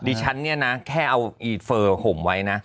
ดิฉันเนี่ยนะแค่เอาอีเฟอร์ห่มไว้นะ